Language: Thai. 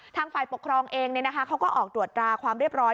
ทางฝ่ายปกครองเองเขาก็ออกตรวจตราความเรียบร้อย